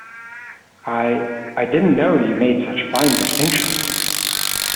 I — I didn't know you made such fine distinctions.